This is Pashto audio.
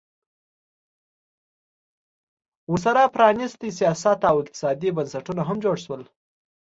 ورسره پرانیستي سیاسي او اقتصادي بنسټونه هم جوړ شول